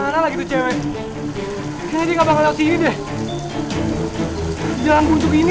kemana lagi cewek jadi enggak mau lihat ini deh jalan gunung ini